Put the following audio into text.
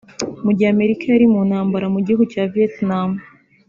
Mu gihe Amerika yari mu ntambara mu gihugu cya Vietnam